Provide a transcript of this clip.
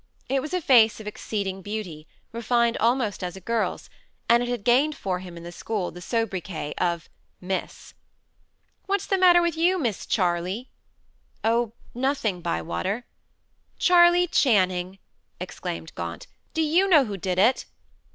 It was a face of exceeding beauty, refined almost as a girl's, and it had gained for him in the school the sobriquet of "Miss." "What's the matter with you, Miss Charley?" "Oh, nothing, Bywater." "Charley Channing," exclaimed Gaunt, "do you know who did it?"